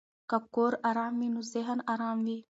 که کور آرام وي نو ذهن آرام وي.